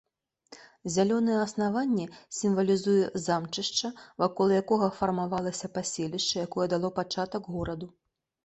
Зялёнае аснаванне сімвалізуе замчышча, вакол якога фармавалася паселішча, якое дало пачатак гораду.